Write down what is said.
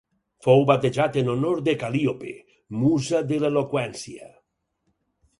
Fou batejat en honor de Cal·líope, musa de l'eloqüència.